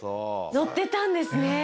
載ってたんですね。